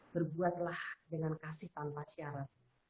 berbuatlah dengan kasih tanpa syarat